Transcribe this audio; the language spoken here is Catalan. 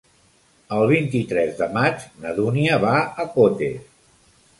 El vint-i-tres de maig na Dúnia va a Cotes.